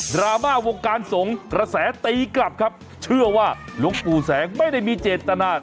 ราม่าวงการสงฆ์กระแสตีกลับครับเชื่อว่าหลวงปู่แสงไม่ได้มีเจตนา